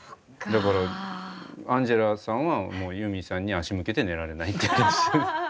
だからアンジェラさんはユーミンさんに足向けて寝られない。